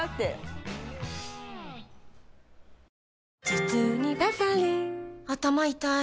頭痛にバファリン頭痛い